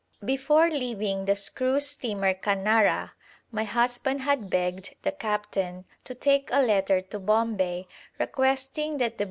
Before leaving the s.s. Canara my husband had begged the captain to take a letter to Bombay requesting that the B.